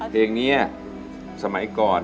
เพลงนี้สมัยก่อน